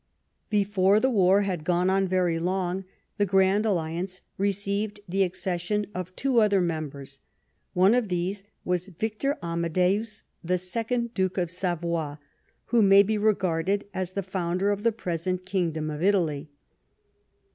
Before the war had gone on very long the Grand Alliance received the accession of two other members. One of these was Victor Amadeus the Second, Duke of Savoy, who may be regarded as the founder of the present kingdom of Italy.